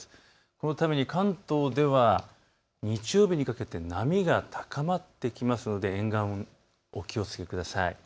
このために関東では日曜日にかけて波が高まってくるので沿岸はお気をつけください。